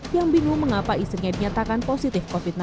yang bingung mengapa istrinya dinyatakan positif covid sembilan belas